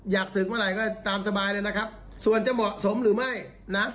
อยากศึกเมื่อไหร่ก็ตามสบายเลยนะครับส่วนจะเหมาะสมหรือไม่นะ